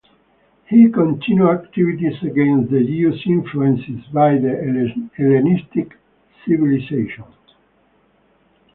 He continued activities against the Jews influenced by the Hellenistic civilization.